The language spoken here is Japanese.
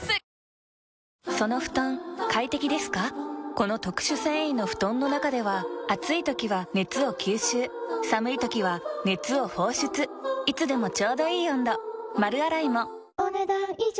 この特殊繊維の布団の中では暑い時は熱を吸収寒い時は熱を放出いつでもちょうどいい温度丸洗いもお、ねだん以上。